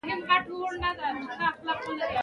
زمرد د افغانستان د چاپیریال د مدیریت لپاره مهم دي.